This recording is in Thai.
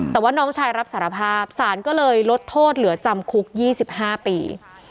แต่ว่าน้องชายรับสารภาพสารก็เลยลดโทษเหลือจำคุก๒๕ปี